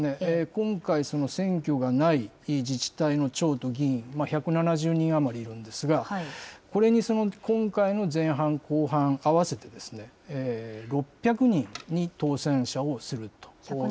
今回、選挙がない自治体の長と議員１７０人余りいるんですが、これに今回の前半、後半、合わせて６００人に当選者をすると。